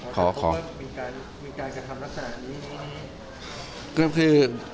ก็เป็นการกระทำรักษณะแบบนี้